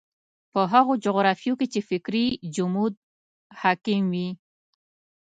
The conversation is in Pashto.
په هغو جغرافیو کې چې فکري جمود حاکم وي.